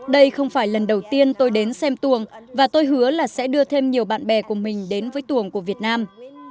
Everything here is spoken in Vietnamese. đây không phải lần đầu tiên tôi đến xem tuồng và tôi hứa là sẽ đưa thêm nhiều bạn bè của mình đến với tuồng của việt nam